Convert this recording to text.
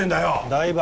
台場